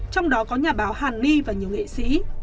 trong đó có nhà báo hàn ni và nhiều nghệ sĩ